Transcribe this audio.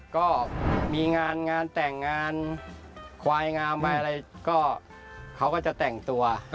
ก็มีงานงานแต่งงานควายงามวายอะไรก็เขาก็จะแต่งตัว